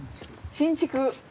新築。